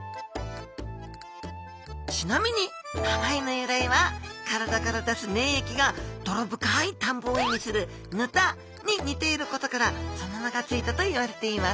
ちなみに名前の由来は体から出す粘液が泥深い田んぼを意味する沼田に似ていることからその名が付いたといわれています